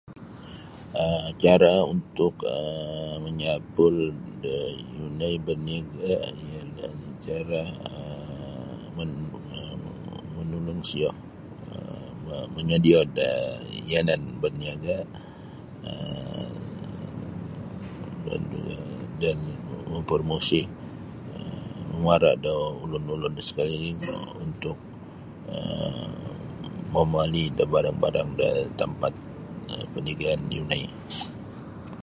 um cara untuk um manyapul da yunai baniaga ialah cara um manulung siyo um moyodio da yanan baniaga um dan mampromosi mamara da ulun-ulun sekeliling untuk momoli da barang-barang da tempat perniagaan yunai.